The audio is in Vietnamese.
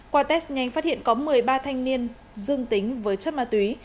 qua test nhanh phát hiện có một mươi ba thanh niên dương tính với chất ma túy